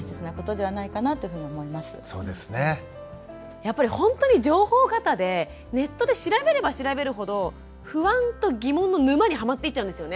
やっぱりほんとに情報過多でネットで調べれば調べるほど不安と疑問の沼にハマっていっちゃうんですよね。